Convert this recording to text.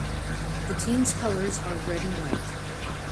The team's colors are red and white.